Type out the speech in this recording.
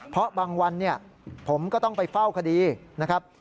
เพราะบางวันเนี่ยผมก็ต้องไปเฝ้าคดีนะครับ